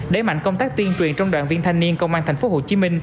đẩy mạnh công tác tuyên truyền trong đoàn viên thanh niên công an tp hcm